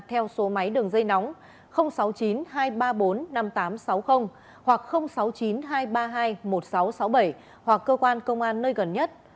theo số máy đường dây nóng sáu mươi chín hai trăm ba mươi bốn năm nghìn tám trăm sáu mươi hoặc sáu mươi chín hai trăm ba mươi hai một nghìn sáu trăm sáu mươi bảy hoặc cơ quan công an nơi gần nhất